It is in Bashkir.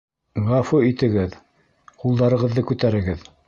Ғәфү итегеҙ, ҡулдарығыҙҙы күтәрегеҙ!